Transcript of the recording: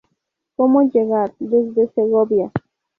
Cómo llegar: desde Segovia.